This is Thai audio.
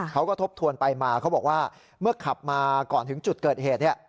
ทบทวนไปมาเขาบอกว่าเมื่อขับมาก่อนถึงจุดเกิดเหตุเนี่ย